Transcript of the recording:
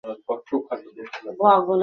তুমি এগুলা কি করছো?